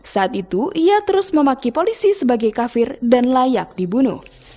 saat itu ia terus memaki polisi sebagai kafir dan layak dibunuh